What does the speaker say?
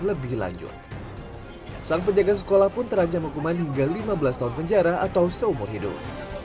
lebih lanjut sang penjaga sekolah pun terancam hukuman hingga lima belas tahun penjara atau seumur hidup